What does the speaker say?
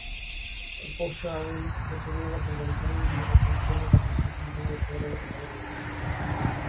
পরশুরামের ক্ষেত্রে নির্বাচন কমিশন নির্বাচন স্থগিত রাখার সিদ্ধান্ত নিয়েছে বলে খবর বেরিয়েছে।